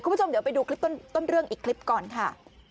คุณผู้ชมเดี๋ยวไปดูคลิปต้นเรื่องอีกคลิปก่อนค่ะ